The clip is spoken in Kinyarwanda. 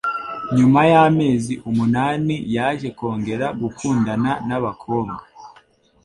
Nyuma y'amezi umunani yaje kongera gukundana nabakobwa